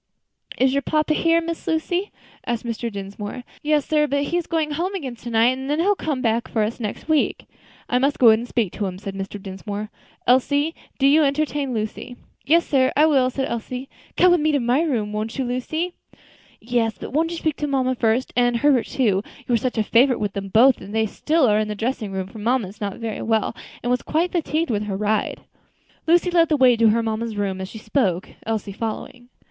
"Is your papa here, Miss Lucy?" asked Mr. Dinsmore. "Yes, sir; but he's going home again to night, and then he'll come back for us next week." "I must go in and speak to him," said Mr. Dinsmore. "Elsie, do you entertain Lucy." "Yes, sir, I will," said Elsie. "Come with me to my room, won't you, Lucy?" "Yes; but won't you speak to mamma first? and Herbert, too; you are such a favorite with both of them; and they still are in the dressing room, for mamma is not very well, and was quite fatigued with her ride." Lucy led the way to her mamma's room, as she spoke, Elsie following.